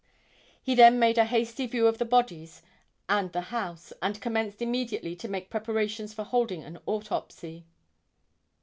He then made a hasty view of the bodies and the house, and commenced immediately to make preparations for holding an autopsy.